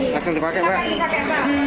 langsung dipakai pak